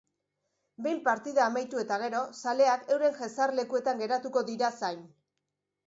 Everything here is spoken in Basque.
Behin partida amaitu eta gero, zaleak euren jesarlekuetan geratuko dira zain.